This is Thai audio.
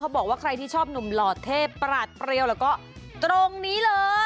บอกว่าใครที่ชอบหนุ่มหล่อเทพปราดเปรียวแล้วก็ตรงนี้เลย